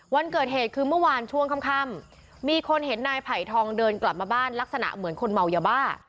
วันเกิดเหตุคือเมื่อวานช่วงค่ำมีคนเห็นนายไผ่ทองเดินกลับมาบ้านลักษณะเหมือนคนเมายาบ้า